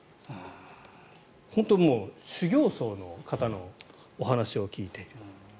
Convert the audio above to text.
本当に修行僧の方のお話を聞いている。